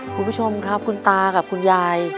คุณผู้ชมครับคุณตากับคุณยาย